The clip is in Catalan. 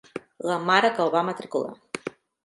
La mare que el va matricular!